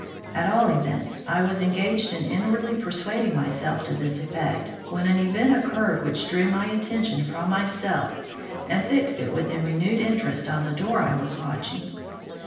At all events I was engaged in inwardly persuading myself to this effect, when an event occurred which drew my attention from myself and fixed it with renewed interest on the door I was watching.